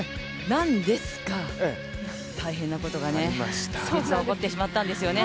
なんですが、大変なことが実は起こってしまったんですよね。